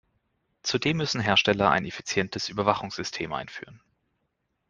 Zudem müssen Hersteller ein effizientes Überwachungssystem einführen.